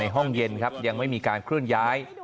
ห้องเย็นครับยังไม่มีการเคลื่อนย้าย